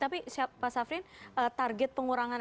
tapi pak safrin target pengurangan